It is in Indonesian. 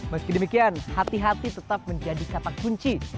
meski demikian hati hati tetap menjadi katak kunci